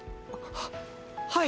はい！